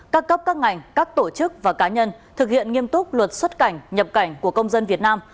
các cấp các ngành các tổ chức và cá nhân thực hiện nghiêm túc luật xuất cảnh nhập cảnh của công dân việt nam